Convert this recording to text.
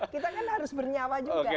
kita kan harus bernyawa juga